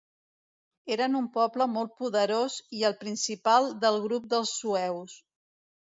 Eren un poble molt poderós i el principal del grup dels sueus.